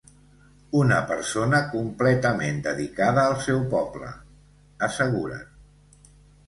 Una persona completament dedicada al seu poble, asseguren.